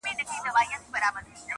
ستا آواز به زه تر عرشه رسومه٫